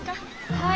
はい。